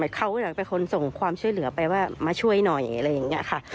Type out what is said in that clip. เขาเป็นคนส่งความช่วยเหลือไปว่ามาช่วยหน่อยอะไรอย่างนี้ค่ะ